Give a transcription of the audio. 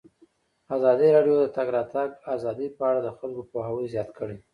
ازادي راډیو د د تګ راتګ ازادي په اړه د خلکو پوهاوی زیات کړی.